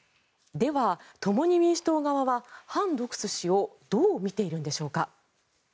では、共に民主党側はハン・ドクス氏をどう見ているんでしょうか。